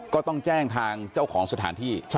ก็ต้องแจ้งทางเจ้าของสถานที่